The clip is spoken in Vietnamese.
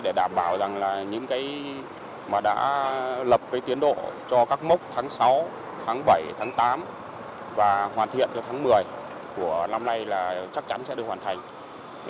để đảm bảo rằng là những cái mà đã lập cái tiến độ cho các mốc tháng sáu tháng bảy tháng tám và hoàn thiện cho tháng một mươi của năm nay là chắc chắn sẽ được hoàn thành